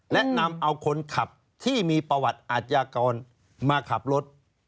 และนำเอาคนขับที่มีประวัติอาชญากรมาขับรถ